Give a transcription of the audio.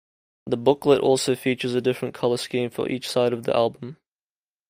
The booklet also features a different colour scheme for each "side" of the album.